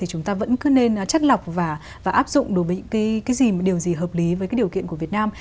chúng ta vẫn cứ nên chắc lọc và áp dụng đối với điều gì hợp lý với điều kiện của việt nam